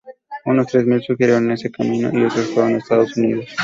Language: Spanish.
Unos tres mil siguieron ese camino, y otros fueron a Estados Unidos.